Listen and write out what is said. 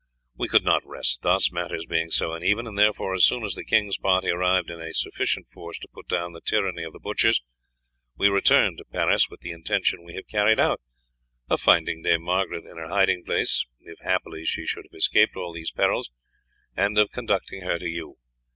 We could not rest thus, matters being so uneven, and therefore as soon as the king's party arrived in a sufficient force to put down the tyranny of the butchers, we returned to Paris, with the intention we have carried out of finding Dame Margaret in her hiding place, if happily she should have escaped all these perils, and of conducting her to you.